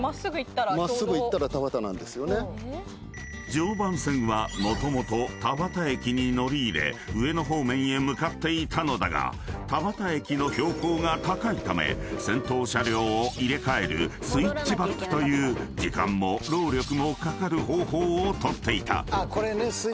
［常磐線はもともと田端駅に乗り入れ上野方面へ向かっていたのだが田端駅の標高が高いため先頭車両を入れ替えるスイッチバックという時間も労力もかかる方法を取っていた］